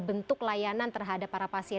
bentuk layanan terhadap para pasien